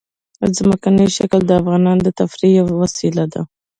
ځمکنی شکل د افغانانو د تفریح یوه وسیله ده.